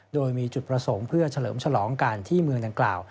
โดยมีจุดประสงค์เพื่อเฉลิมฉลองกันที่เมืองดังกล่าว